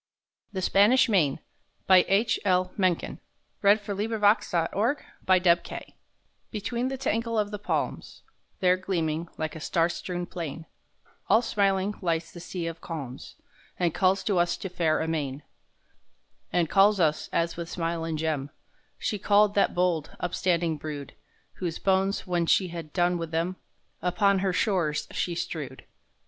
ave man's breast And the axe in a brave man's brain!_ THE SPANISH MAIN Between the tangle of the palms, There gleaming, like a star strewn plain, All smiling, lies the sea of calms, And calls to us to fare amain; And calls us, as with smile and gem, She called that bold, upstanding brood, Whose bones, when she had done with them, Upon her shores she strewed.